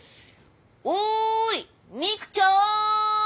おい未来ちゃん！